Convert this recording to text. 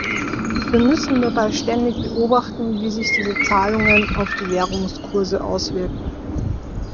Wir müssen dabei ständig beobachten, wie sich diese Zahlungen auf die Währungskurse auswirken.